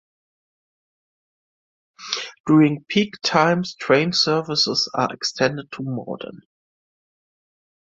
During peak times train services are extended to Morden.